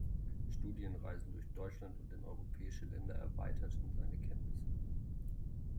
Studienreisen durch Deutschland und in europäische Länder erweiterten seine Kenntnisse.